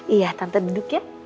iya tante duduk ya